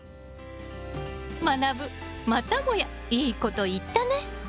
まなぶまたもやいいこと言ったね。